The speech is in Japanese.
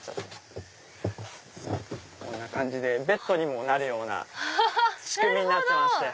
こんな感じでベッドにもなるような仕組みになってます。